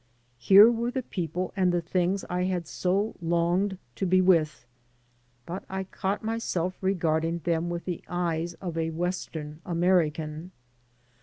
Here were the people and the things I had so longed to be with; but I caught myself regarding them with the eyes of a Western American.